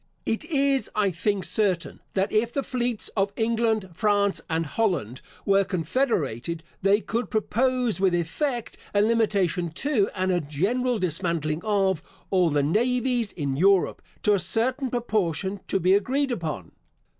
It is, I think, certain, that if the fleets of England, France, and Holland were confederated, they could propose, with effect, a limitation to, and a general dismantling of, all the navies in Europe, to a certain proportion to be agreed upon.